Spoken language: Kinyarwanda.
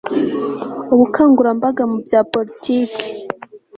ubukangurambaga mu bya politiki